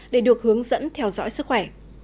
để được hướng dẫn theo dõi sức khỏe